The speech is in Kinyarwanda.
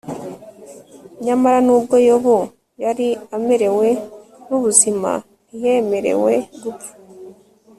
Nyamara nubwo Yobu yari aremerewe nubuzima ntiyemerewe gupfa